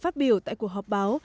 phát biểu tại cuộc họp báo